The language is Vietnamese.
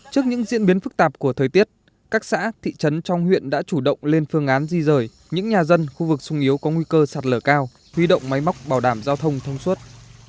trước những diễn biến phức tạp của thời tiết các xã thị trấn trong huyện đã chủ động lên phương án di rời những nhà dân khu vực sung yếu có nguy cơ sạt lở cao huy động máy móc bảo đảm giao thông thông suốt